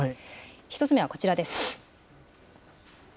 １つ目はこちらです。